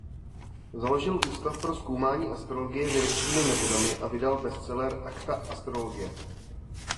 Založil ústav pro zkoumání astrologie vědeckými metodami a vydal bestseller "Akta Astrologie".